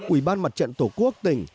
ủy ban mặt trận tổ quốc tỉnh